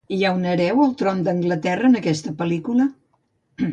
Hi ha un hereu al tron d'Anglaterra en aquesta pel·lícula?